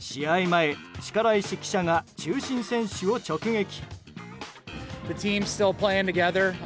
前、力石記者が中心選手を直撃。